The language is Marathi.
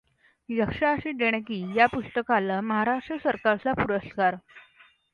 यक्षाची देणगी या पुस्तकाला महाराष्ट्र सरकारचा पुरस्कार